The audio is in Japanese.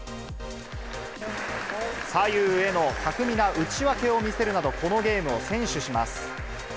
左右への巧みな打ち分けを見せるなど、このゲームを先取します。